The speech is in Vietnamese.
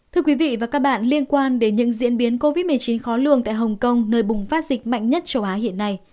thưa quý vị và các bạn liên quan đến những diễn biến covid một mươi chín khó lường tại hồng kông nơi bùng phát dịch mạnh nhất châu á hiện nay